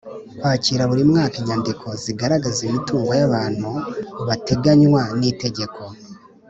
kwakira buri mwaka inyandiko zigaragaza imitungo y’abantu bateganywa n’itegeko